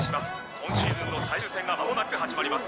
今シーズンの最終戦がまもなく始まります。